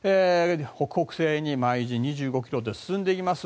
北北西に毎時２５ｋｍで進んでいます。